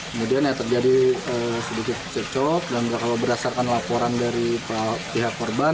kemudian ya terjadi sedikit cekcok dan kalau berdasarkan laporan dari pihak korban